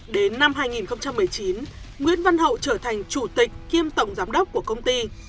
đến năm hai nghìn một mươi chín nguyễn văn hậu trở thành chủ tịch kiêm tổng giám đốc của công ty